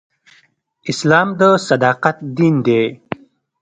اسلام د صداقت دین دی.